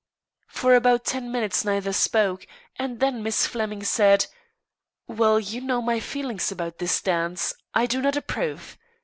For about ten minutes neither spoke, and then Miss Flemming said, "Well, you know my feelings about this dance. I do not approve.